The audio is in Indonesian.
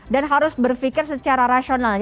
dan harus berpikir secara rasional